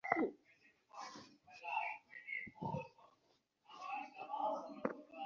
তিনি আবদুল্লাহ খান আলভীর কাছ থেকে পড়াশোনা করেছেন।